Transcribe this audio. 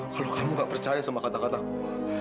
kalau kamu gak percaya sama kata kata aku